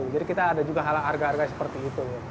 jadi kita ada juga harga harga seperti itu